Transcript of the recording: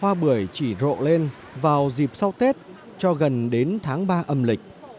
hoa bưởi chỉ rộ lên vào dịp sau tết cho gần đến tháng ba âm lịch